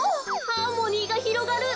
ハーモニーがひろがる。